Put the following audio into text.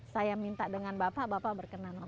saya minta dengan bapak bapak berkenan